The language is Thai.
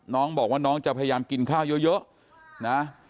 น้องบอกว่าน้องจะพยายามกินข้าวเยอะนะ